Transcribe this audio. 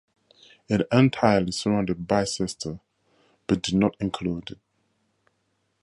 It entirely surrounded Bicester but did not include it.